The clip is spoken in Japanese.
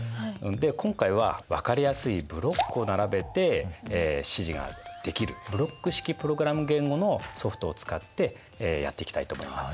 今回は分かりやすいブロックを並べて指示ができるブロック式プログラム言語のソフトを使ってやっていきたいと思います。